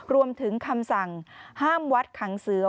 รวมถึงคำสั่งห้ามวัดขังเสือ